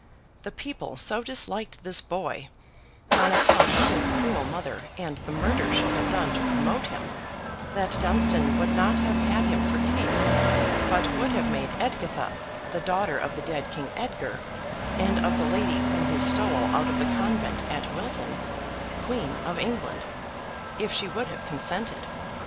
The people so disliked this boy, on account of his cruel mother and the murder she had done to promote him, that Dunstan would not have had him for king, but would have made Edgitha, the daughter of the dead King Edgar, and of the lady whom he stole out of the convent at Wilton, Queen of England, if she would have consented.